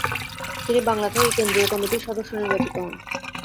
তিনি বাংলা থেকে কেন্দ্রীয় কমিটির সদস্য নির্বাচিত হন।